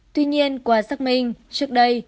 tuy nhiên qua xác minh trước đây